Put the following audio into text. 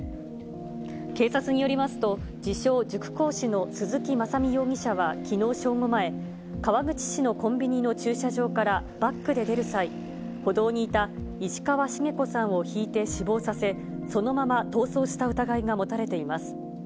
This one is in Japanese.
警察によりますと、自称、塾講師の鈴木雅美容疑者は、きのう正午前、川口市のコンビニの駐車場からバックで出る際、歩道にいた石河茂子さんをひいて死亡させ、そのまま逃走した疑いが持たれています。